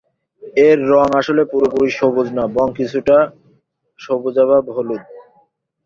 এর রঙ আসলে পুরোপুরি সবুজ না, বরং কিছুটা সবুজাভ হলুদ।